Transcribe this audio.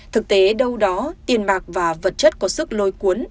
thực tế đâu đó tiền mạc và vật chất có sức lôi cuốn